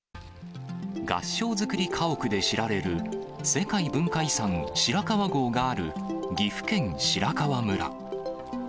合掌造り家屋で知られる、世界文化遺産、白川郷がある岐阜県白川村。